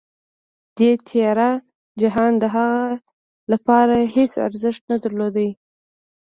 دې تیاره جهان د هغه لپاره هېڅ ارزښت نه درلود